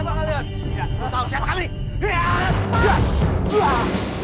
benteng benteng cara mmokgli pihak